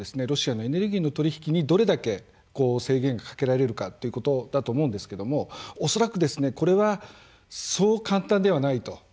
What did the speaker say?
ロシアのエネルギーの取り引きにどれだけ制限がかけられるかということだと思うんですけども恐らくですねこれはそう簡単ではないと。